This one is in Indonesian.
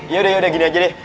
yaudah yaudah gini aja deh